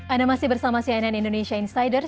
anda masih bersama cnn indonesia insider